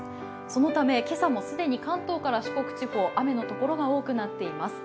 そのため、今朝も既に関東から四国地方、雨の所が多くなっています。